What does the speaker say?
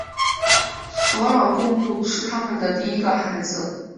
索朗贡布是他们的第一个孩子。